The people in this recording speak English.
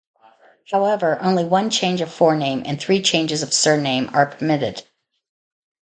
However, only one change of forename and three changes of surname are permitted.